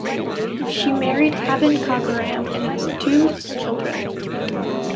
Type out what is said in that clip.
She married Haven Cockerham and has two children.